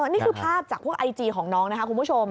นี่คือภาพจากพวกไอจีของน้องนะคะคุณผู้ชม